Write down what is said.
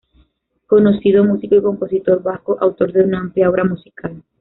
Conocido músico y compositor vasco, autor de una amplia obra musical.